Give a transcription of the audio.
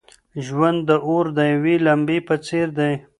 ژوند د اور د یوې لمبې په څېر دی.